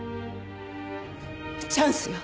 チャンスよ。